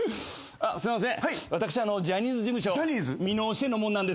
あっすいません